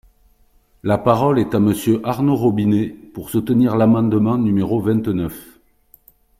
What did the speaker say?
La parole est à Monsieur Arnaud Robinet, pour soutenir l’amendement numéro vingt-neuf.